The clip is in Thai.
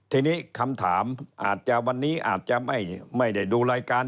ทีนี้คำถามอาจจะวันนี้อาจจะไม่ได้ดูรายการ